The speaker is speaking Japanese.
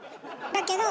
だけど。